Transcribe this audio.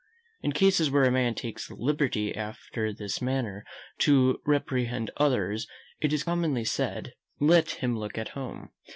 In cases where a man takes the liberty after this manner to reprehend others, it is commonly said, Let him look at home.